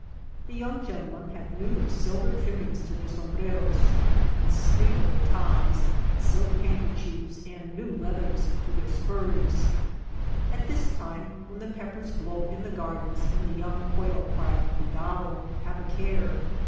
The young gentle men have new silver trimmings to their sombreros, unspeakable ties, silk handker chiefs, and new leathers to their spurs. At this time when the peppers glow in the 274 THE LITTLE TOWN OF THE GRAPE VINES gardens and the young quail cry " cuidado',' " have a care